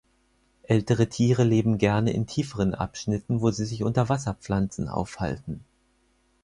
Ältere Tiere leben gerne in tieferen Abschnitten, wo sie sich unter Wasserpflanzen aufhalten.